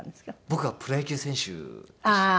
僕はプロ野球選手でした。